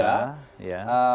patung budha ya